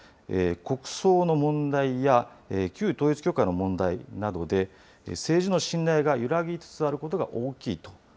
国葬の問題や旧統一教会の問題などで、政治の信頼が揺らぎつつあることが大きいと。